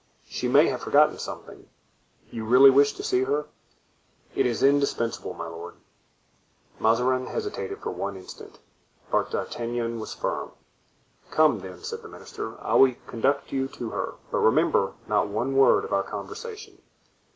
"She may have forgotten something." "You really wish to see her?" "It is indispensable, my lord." Mazarin hesitated for one instant, but D'Artagnan was firm. "Come, then," said the minister; "I will conduct you to her, but remember, not one word of our conversation."